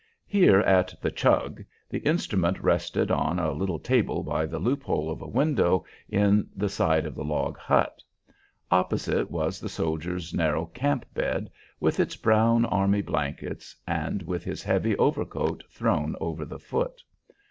Here at "The Chug" the instrument rested on a little table by the loop hole of a window in the side of the log hut. Opposite it was the soldier's narrow camp bed with its brown army blankets and with his heavy overcoat thrown over the foot.